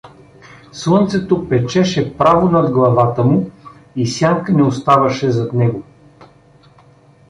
Слънцето печеше право над главата му и сянка не оставаше зад него.